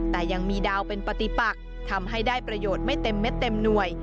แต่ยังมีดาวเป็นปฏิปักทำให้ได้ประโยชน์ไม่เต็มเม็ดเต็มหน่วย